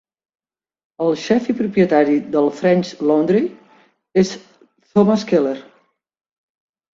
El xef i propietari del French Laundry és Thomas Keller.